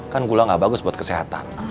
kan gula gak bagus buat kesehatan